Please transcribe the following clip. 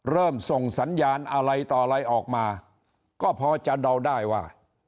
ส่งสัญญาณอะไรต่ออะไรออกมาก็พอจะเดาได้ว่า